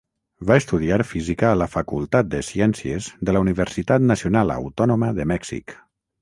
Va estudiar Física a la Facultat de Ciències de la Universitat Nacional Autònoma de Mèxic.